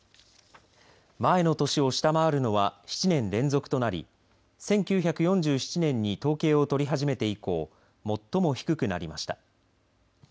前の年を下回るのは７年連続となり１９４７年に統計を取り始めて以降最も低くなりました。